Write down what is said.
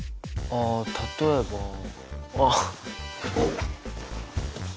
あ例えばあっ！